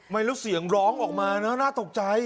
ไม่รู้เสียงร้องออกมานะน่าตกใจ